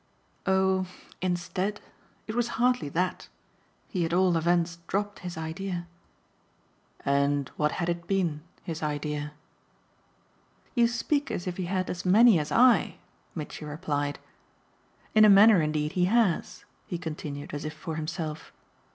"Oh 'instead' it was hardly that. He at all events dropped his idea." "And what had it been, his idea?" "You speak as if he had as many as I!" Mitchy replied. "In a manner indeed he has," he continued as if for himself.